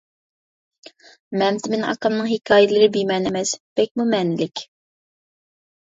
مەمتىمىن ئاكامنىڭ ھېكايىلىرى بىمەنە ئەمەس بەكمۇ مەنىلىك.